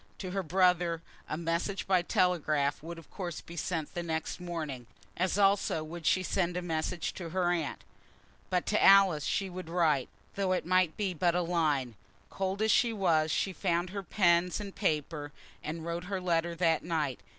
To her brother a message by telegraph would of course be sent the next morning; as also would she send a message to her aunt. But to Alice she would write, though it might be but a line. Cold as she was, she found her pens and paper, and wrote her letter that night.